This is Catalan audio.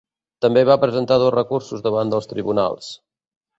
També va presentar dos recursos davant dels tribunals.